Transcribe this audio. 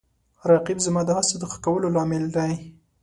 رقیب زما د هڅو د ښه کولو لامل دی